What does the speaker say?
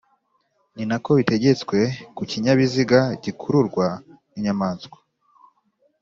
Ni nako bitegetswe ku kinyabiziga gikururwa n'inyamaswa